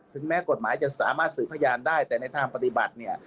แม้กฎหมายจะสามารถสื่อพยานได้แต่ในทางปฏิบัติเนี่ย